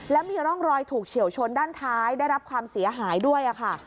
แล้วมีร่องรอยถูกเฉียวชนด้านท้ายได้รับความเสียหายด้วยค่ะ